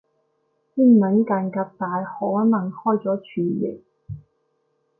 英文間隔大可能開咗全形